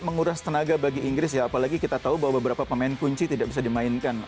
menguras tenaga bagi inggris ya apalagi kita tahu bahwa beberapa pemain kunci tidak bisa dimainkan